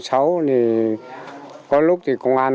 thì có lúc thì công an